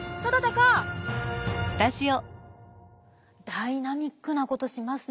ダイナミックなことしますね。